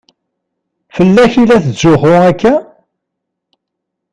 Fell-ak i la tetzuxxu akka?